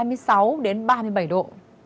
nhiệt độ là từ hai mươi sáu đến ba mươi bảy độ